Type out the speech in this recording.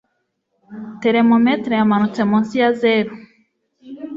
Therometero yamanutse munsi ya zeru.